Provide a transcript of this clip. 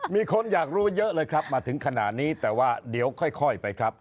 มีคนอยากรู้เยอะเลยครับมาถึงขนาดนี้แต่ว่าเดี๋ยวค่อยไปครับ